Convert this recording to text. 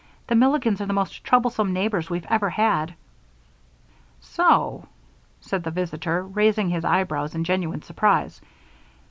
The Milligans are the most troublesome neighbors we've ever had." "So o?" said the visitor, raising his eyebrows in genuine surprise.